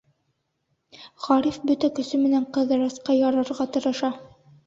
Ғариф бөтә көсө менән Ҡыҙырасҡа ярарға тырыша.